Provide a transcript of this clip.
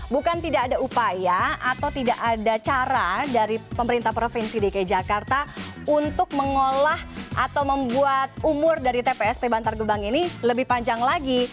bukan tidak ada upaya atau tidak ada cara dari pemerintah provinsi dki jakarta untuk mengolah atau membuat umur dari tpst bantar gebang ini lebih panjang lagi